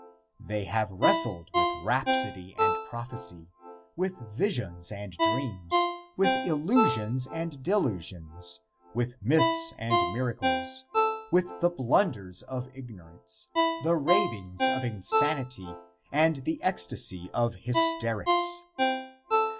They have wrestled with rhapsody and prophecy, with visions and dreams, with illusions and delusions, with myths and miracles, with the blunders of ignorance, the ravings of insanity and the ecstasy of hysterics.